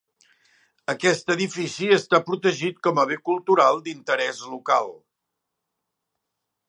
Aquest edifici està protegit com a bé cultural d'interès local.